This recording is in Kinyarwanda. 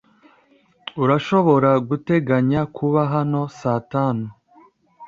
Urashobora guteganya kuba hano saa tanu?